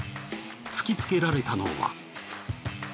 突きつけられたのは。